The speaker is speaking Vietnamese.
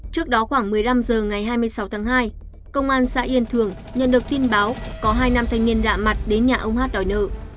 trước đó khoảng một mươi năm h ngày hai mươi sáu tháng hai công an xã yên thường nhận được tin báo có hai nam thanh niên lạ mặt đến nhà ông hát đòi nợ